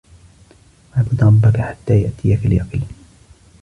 وَاعْبُدْ رَبَّكَ حَتَّى يَأْتِيَكَ الْيَقِينُ